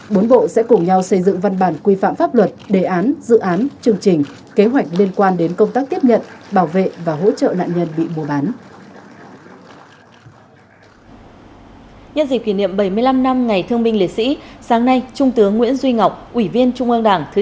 bốn bộ sẽ cùng nhau xây dựng văn bản quy phạm pháp luật đề án dự án chương trình kế hoạch liên quan đến công tác tiếp nhận bảo vệ và hỗ trợ nạn nhân bị mua bán